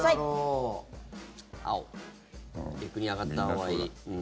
青陸に上がったほうがいい。